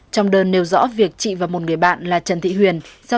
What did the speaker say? trong đơn nêu rõ việc chị và một người bạn là trần thị huyền